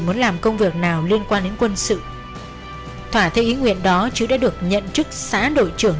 muốn làm công việc nào liên quan đến quân sự thỏa thấy ý nguyện đó chứ đã được nhận chức xã đội trưởng